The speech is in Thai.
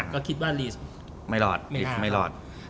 ก็คิดว่าลีสไม่รอด